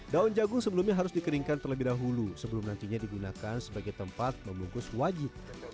daun jagung sebelumnya harus dikeringkan terlebih dahulu sebelum nantinya digunakan sebagai tempat membungkus wajit